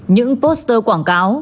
những poster quảng cáo